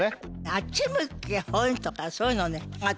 あっち向いてホイとかそういうの私